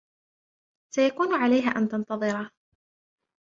سيكون عليها أن تنتظره.